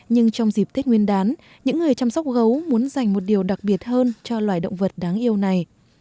nhưng trong dịp tết nguyên đán những người chăm sóc gấu muốn dành một điều đặc biệt hơn cho loài động vật đáng yêu này